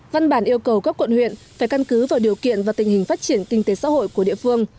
văn bản yêu cầu các quận huyện phải căn cứ vào điều kiện và tình hình phát triển kinh tế xã hội của địa phương